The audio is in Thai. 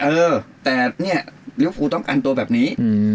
เออแต่เนี่ยลิวฟูต้องการตัวแบบนี้